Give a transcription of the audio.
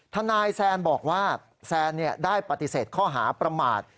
ทนายแซนบอกว่าแซนได้ปฏิเสธข้อหาประมาท